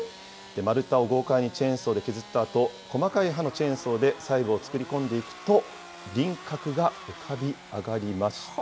丸太を豪快にチェーンソーで削ったあと、細かい刃のチェーンソーで細部を作り込んでいくと、輪郭が浮かび上がりました。